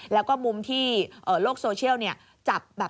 แล้วก็มุมที่โลกโซเชียล